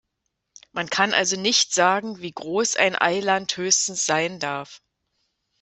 Man kann also nicht sagen, wie groß ein Eiland höchstens sein darf.